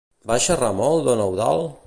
Va xerrar molt don Eudald?